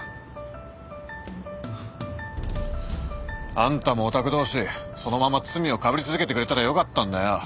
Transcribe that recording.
あんたもオタク同士そのまま罪をかぶり続けてくれたらよかったんだよ。